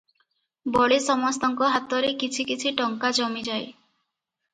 ବଳେ ସମସ୍ତଙ୍କ ହାତରେ କିଛି କିଛି ଟଙ୍କା ଜମିଯାଏ ।